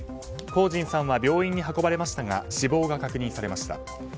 光神さんは病院に運ばれましたが死亡が確認されました。